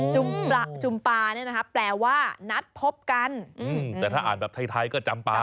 จุมปลาจุมปลานี่นะครับแปลว่านัดพบกันอืมแต่ถ้าอ่านแบบไทยไทยก็จำปลา